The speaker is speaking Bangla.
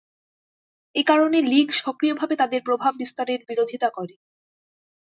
এ কারণে লীগ সক্রিয়ভাবে তাদের প্রভাব বিস্তারের বিরোধিতা করে।